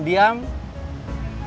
bekerja dengan senyap